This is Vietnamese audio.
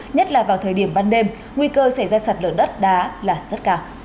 nhất là vào thời điểm ban đêm nguy cơ xảy ra sạt lở đất đá là rất cao